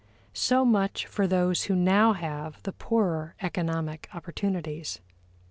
So much for those who now have the poorer economic opportunities.